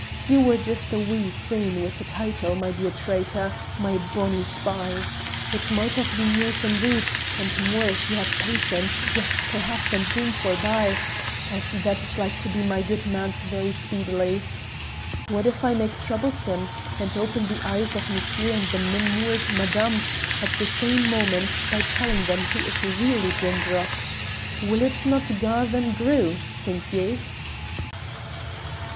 You were just a Wee Soon with the title, my dear Traitour, my bonny Spy. It might have been yours indeed, and more if you had patience, yes perhaps and Doom forby, as that is like to be my good man's very speedily. What if I make trouble, Sim, and open the eyes of Monsher and the mim mou'ed Madame at the same moment by telling them who is really Drimdarroch? Will it no' gar them Grue, think ye?"